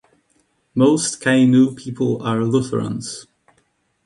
Most Kainuu people are Lutherans.